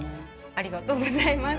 ありがとうございます。